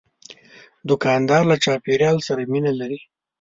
دوکاندار له چاپیریال سره مینه لري.